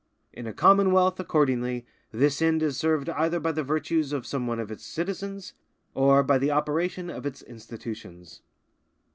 In a Commonwealth, accordingly, this end is served either by the virtues of some one of its citizens, or by the operation of its institutions.